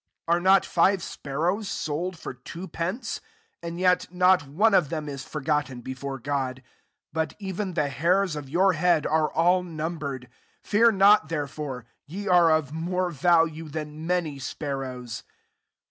6 Arc not five sparrows sold for two pence ? and yet not one of them is forgotten before God : 7 but even the hairs of your head are all numbered. Fear not there fore : ye are of more value than many sparrows.